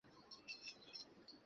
ওহ, ওহ, ঐ তো সে।